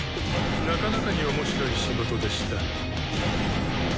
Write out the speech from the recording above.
なかなかに面白い仕事でした。